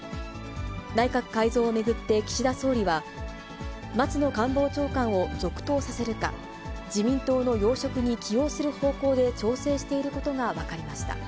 内閣改造を巡って岸田総理は、松野官房長官を続投させるか、自民党の要職に起用する方向で、調整していることが分かりました。